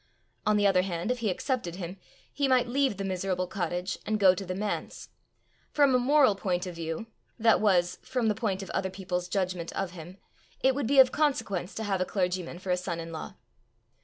On the other hand, if he accepted him, he might leave the miserable cottage, and go to the manse: from a moral point of view that was, from the point of other people's judgment of him it would be of consequence to have a clergyman for a son in law.